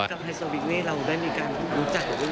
เราได้มีการรู้จักวันบ้าง